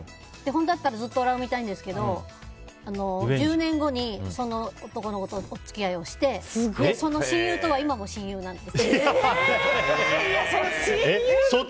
本当だったらずっと恨みたいんですけど１０年後に、その男の子とお付き合いをしてその親友とは今も親友なんです。